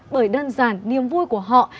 bởi đơn giản niềm vui của họ